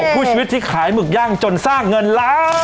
คู่ชีวิตที่ขายหมึกย่างจนสร้างเงินล้าน